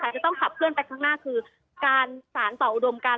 จะต้องขับเคลื่อนไปข้างหน้าคือการสารต่ออุดมการ